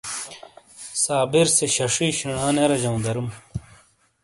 صابر سے ششی شینا نے رجوں درم۔